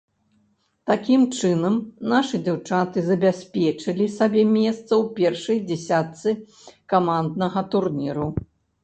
Такім чынам, нашы дзяўчаты забяспечылі сабе месца ў першай дзесятцы каманднага турніру.